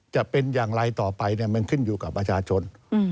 จะเป็นอย่างไรต่อไปมันขึ้นอยู่กับประชาชน